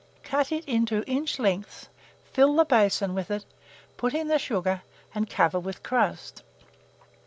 Cut it into inch lengths, fill the basin with it, put in the sugar, and cover with crust.